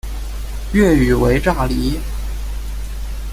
粤语为炸厘。